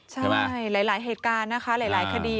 ใช่มากลายหลายเหตุการณ์หลายคดี